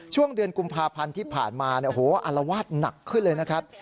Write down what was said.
ช่วงเดือนกุมภาพันธ์ที่ผ่านมาอารวาสหนักขึ้นเลยนะครับ